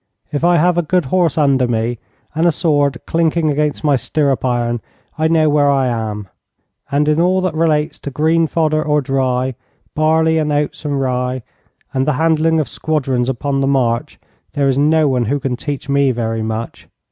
If I have a good horse under me, and a sword clanking against my stirrup iron, I know where I am. And in all that relates to green fodder or dry, barley and oats and rye, and the handling of squadrons upon the march, there is no one who can teach me very much.